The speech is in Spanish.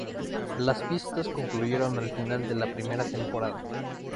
Las pistas concluyeron al final de la primera temporada.